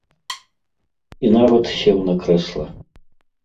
І нават сеў на крэсла.